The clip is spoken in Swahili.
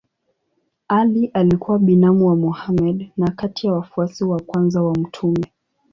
Ali alikuwa binamu wa Mohammed na kati ya wafuasi wa kwanza wa mtume.